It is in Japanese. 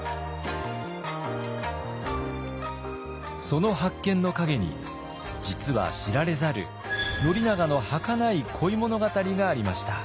その発見の陰に実は知られざる宣長のはかない恋物語がありました。